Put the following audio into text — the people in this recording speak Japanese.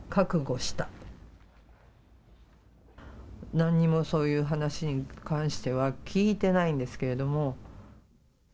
何もそういう話に関しては聞いてないんですけれども。